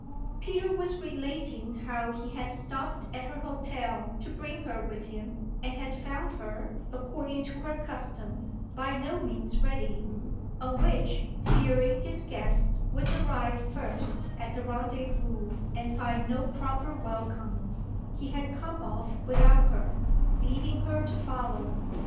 Peter was relating how he had stopped at her hotel to bring her with him and had found her, according to her custom, by no means ready; on which, fearing his guests would arrive first at the rendezvous and find no proper welcome, he had come off without her, leaving her to follow.